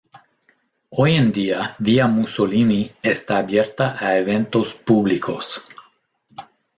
Hoy en día Villa Mussolini está abierta a eventos públicos.